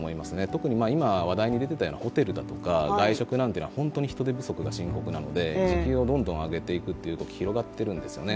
特に今話題に出ていたホテルとか外食などは人手不足が深刻なので時給を上げていくという動きが広がっているんですよね。